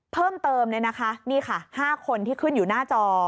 เพิ่มเติมเลยนะคะนี่ค่ะ๕คนที่ขึ้นอยู่หน้าจอ